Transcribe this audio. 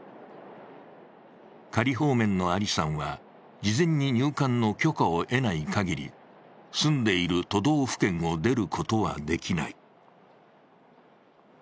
仮放免のアリさんは事前に入管の許可を得ない限り、住んでいる都道府県を出ることはできない。